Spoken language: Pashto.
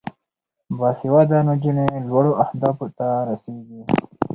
باسواده نجونې لوړو اهدافو ته رسیږي.